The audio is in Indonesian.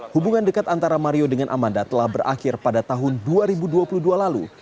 hubungan dekat antara mario dengan amanda telah berakhir pada tahun dua ribu dua puluh dua lalu